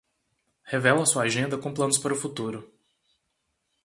Revela sua agenda com planos para o futuro